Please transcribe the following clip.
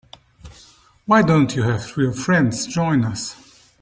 Why don't you have your friends join us?